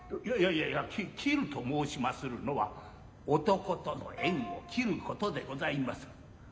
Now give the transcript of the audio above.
イヤイヤイヤ切ると申しまするのは男との縁を切ることでございまする。